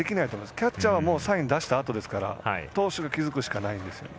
キャッチャーはサイン出したあとですから投手が気付くしかないんです。